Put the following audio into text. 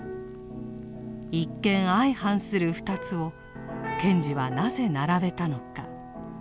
一見相反する二つを賢治はなぜ並べたのか。